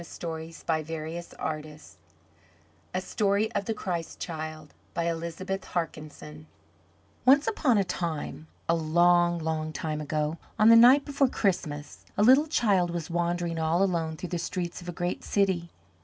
A German legend for Christmas Eve as told by ELIZABETH HARKISON Once upon a time, a long, long time ago, on the night before Christmas, a little child was wandering all alone through the streets of a great city.